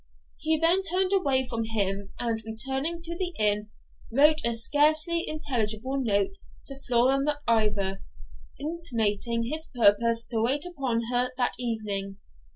He then turned away from him, and, returning to the inn, wrote a scarcely intelligible note to Flora Mac Ivor, intimating his purpose to wait upon her that evening.